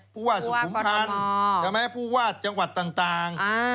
ผู้วาดสุขุมภาณฯใช่ไหมผู้วาดจังหวัดต่างคุณมิ้นคร